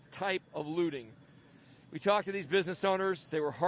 kami berbicara dengan pemilik bisnis ini mereka sangat terluka